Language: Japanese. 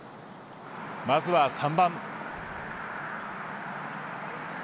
まずは３番。